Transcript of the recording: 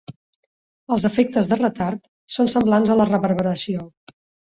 Els efectes de retard són semblants a la reverberació.